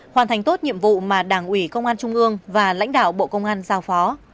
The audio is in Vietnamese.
hoàn thành tốt nhiệm vụ mà đảng ủy công an trung ương và lãnh đạo bộ công an giao phó